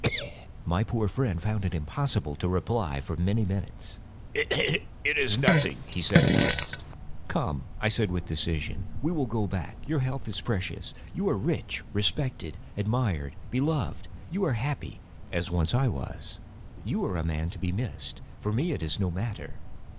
My poor friend found it impossible to reply for many minutes. "It is nothing," he said, at last. "Come," I said, with decision, "we will go back; your health is precious. You are rich, respected, admired, beloved; you are happy, as once I was. You are a man to be missed. For me it is no matter.